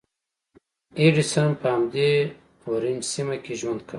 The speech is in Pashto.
ایډېسن په همدې اورنج سیمه کې ژوند کاوه.